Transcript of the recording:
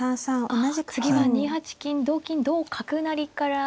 あ次は２八金同金同角成から。